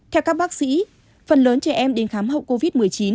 theo các bác sĩ phần lớn trẻ em đến khám hậu covid một mươi chín